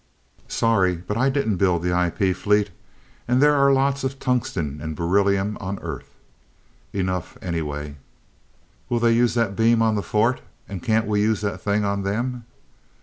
"Sorry but I didn't build the IP fleet, and there are lots of tungsten and beryllium on Earth. Enough anyway." "Will they use that beam on the fort? And can't we use the thing on them?"